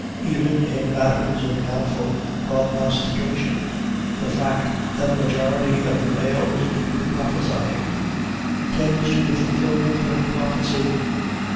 Even in matters of doubtful prognostication, the fact that a majority of the males do the prophesying tends to the fulfillment of the prophecy.